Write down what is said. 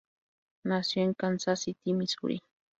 Nació en Kansas City, Missouri.